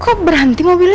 kok berhenti mobilnya